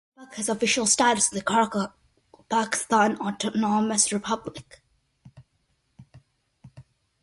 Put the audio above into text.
Karakalpak has official status in the Karakalpakstan Autonomous Republic.